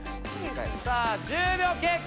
さあ１０秒経過。